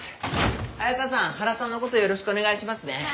「彩佳さん原さんのことよろしくお願いしますね」